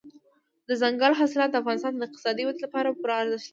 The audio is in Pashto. دځنګل حاصلات د افغانستان د اقتصادي ودې لپاره پوره ارزښت لري.